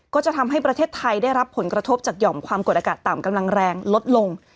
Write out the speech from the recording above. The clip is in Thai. ก็จะทำให้ประเทศไทยได้รับผลกระทบจากหย่อมความกดอากาศต่ำกำลังแรงลดลง